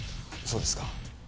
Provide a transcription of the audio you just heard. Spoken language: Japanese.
そうですか。